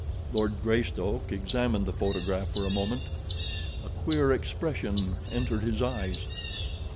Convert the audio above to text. Lord Greystoke examined the photograph for a moment. A queer expression entered his eyes.